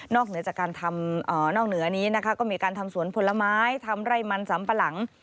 นอกเหนือนี้ก็มีการทำสวนผลไม้ทำไร่มันสำปะหลัง